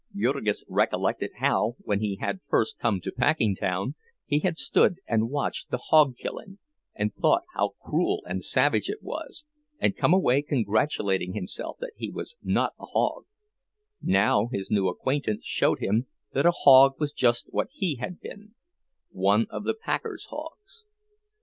Jurgis recollected how, when he had first come to Packingtown, he had stood and watched the hog killing, and thought how cruel and savage it was, and come away congratulating himself that he was not a hog; now his new acquaintance showed him that a hog was just what he had been—one of the packers' hogs.